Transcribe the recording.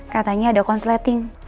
katanya ada consulating